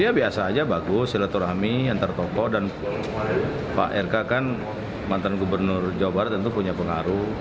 ya biasa aja bagus silaturahmi antar tokoh dan pak rk kan mantan gubernur jawa barat tentu punya pengaruh